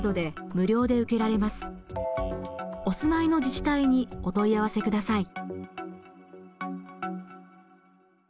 お住まいの自治体にお問い合わせください。